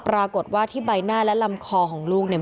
ปรากฏว่าที่ใบหน้าและลำคอของลูกเนี่ย